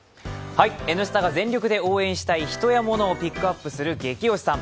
「Ｎスタ」が全力で応援したい人や物をピックアップする「ゲキ推しさん」